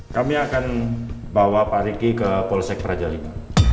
kami akan bawa pak ricky ke polsek prajalina